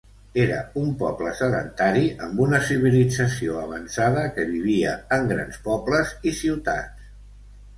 Eren un poble sedentari amb una civilització avançada que vivia en grans pobles i ciutats.